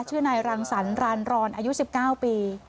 ชื่อนายรังสรรรอนอายุ๑๙ปี